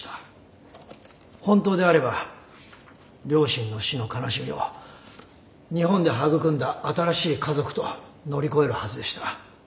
本当であれば両親の死の悲しみを日本で育んだ新しい家族と乗り越えるはずでした。